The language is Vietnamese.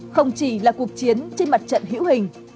không chỉ là cuộc chiến trên mặt trận hữu hình